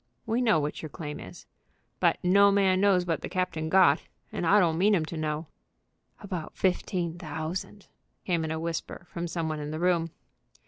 "We know what your claim is." "But no man knows what the captain got, and I don't mean 'em to know." "About fifteen thousand," came in a whisper from some one in the room.